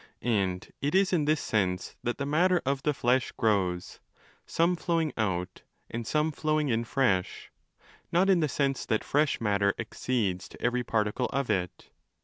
And it is in this sense that the matter of the flesh grows, some flowing out and some flowing in fresh; not in the sense that fresh matter accedes to every particle of it.